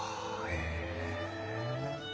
へえ。